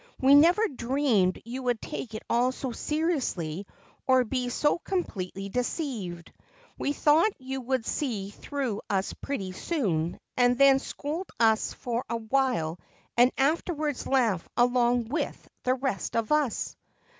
We never dreamed you would take it all so seriously or be so completely deceived. We thought you would see through us pretty soon and then scold for a while and afterwards laugh along with the rest of us."